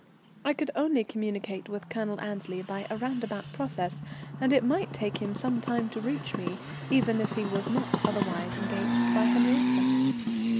I could only communicate with Colonel Annesley by a roundabout process, and it might take him some time to reach me, even if he was not otherwise engaged by Henriette.